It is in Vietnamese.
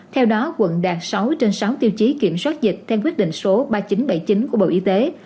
theo đó quận đạt sáu trên sáu tiêu chí kiểm soát dịch theo quyết định số ba nghìn chín trăm bảy mươi chín của bộ y tế